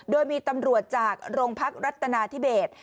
โดยมีตำรวจจากโรงพักรัฐนาธิเบศ